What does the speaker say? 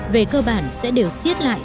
về cơ bản sẽ đều xiết lại